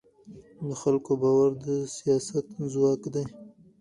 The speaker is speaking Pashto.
د خلکو باور د سیاست ځواک دی